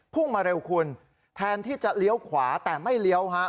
มาเร็วคุณแทนที่จะเลี้ยวขวาแต่ไม่เลี้ยวฮะ